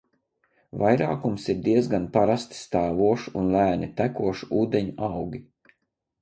Vairākums ir diezgan parasti stāvošu un lēni tekošu ūdeņu augi.